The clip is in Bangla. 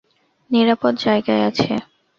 নিরাপদ জায়গায় আছে।